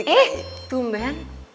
eh tuh mbak